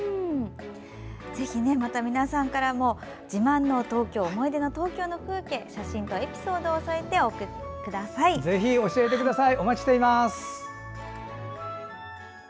ぜひ皆さんからも自慢の東京思い出の東京の風景写真とエピソードを添えて送ってください。